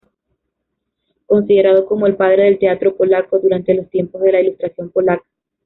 Considerado como el "Padre del teatro polaco" durante los tiempos de la Ilustración Polaca.